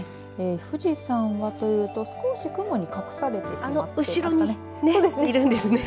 富士山はというと少し雲に隠されてしまっていますね。